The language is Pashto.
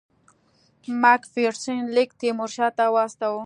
مک فیرسن لیک تیمورشاه ته واستاوه.